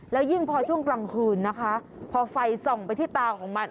แล้วยิ่งพอช่วงกลางคืนนะคะพอไฟส่องไปที่ตาของมัน